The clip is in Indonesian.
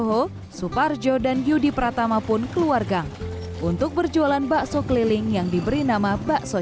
ho suparjo dan yudi pratama pun keluar gang untuk berjualan bakso keliling yang diberi nama bakso